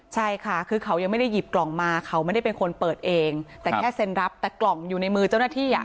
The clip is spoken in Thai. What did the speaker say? ใช่ค่ะคือเขายังไม่ได้หยิบกล่องมาเขาไม่ได้เป็นคนเปิดเองแต่แค่เซ็นรับแต่กล่องอยู่ในมือเจ้าหน้าที่อ่ะ